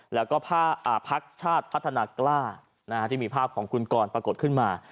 แล้วก็พักชาติพัฒนากล้าที่มีภาพของคุณกรปรากฏขึ้นมา